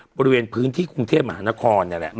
บริเวณพื้นที่กรุงเทพมหานคร